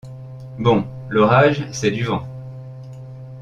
Bon ! l’orage, c’est du vent !